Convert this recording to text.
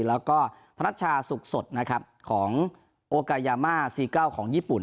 แล้วก็ธนัชชาสุขสดนะครับของโอกายามา๔๙ของญี่ปุ่น